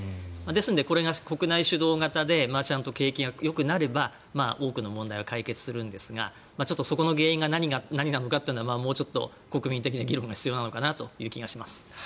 ですのでこれが国内主導型でちゃんと景気がよくなれば多くの問題は解決するんですがちょっとそこの原因が何なのかというのは国民的な議論が必要なのかなという気がします。